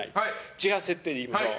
違う設定でいきましょう。